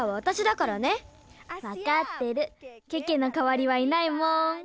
わかってるケケのかわりはいないもん。